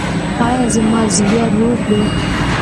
ایا زما ځیګر روغ دی؟